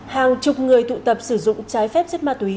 hàng chục người tụ tập sử dụng trái phép chất ma túy